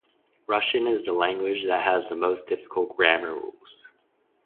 Russian is the language that has the most difficult grammar rules.